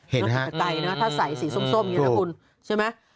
เห็นฮะถ้าใส่สีส้มอย่างนี้นะคุณใช่ไหม